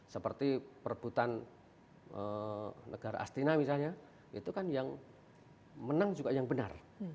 seperti perebutan negara astina misalnya itu kan yang menang juga yang benar